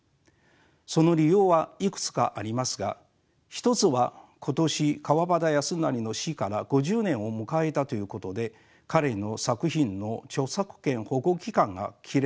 その理由はいくつかありますが一つは今年川端康成の死から５０年を迎えたということで彼の作品の著作権保護期間が切れたためでした。